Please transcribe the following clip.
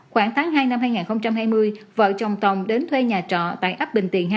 khoảng tháng hai năm hai nghìn hai mươi vợ chồng tổng đến thuê nhà trọ tại ấp bình tiện hai